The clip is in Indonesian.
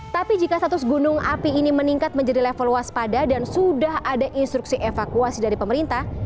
tapi jika status gunung api ini meningkat menjadi level waspada dan sudah ada instruksi evakuasi dari pemerintah